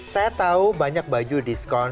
saya tahu banyak baju diskon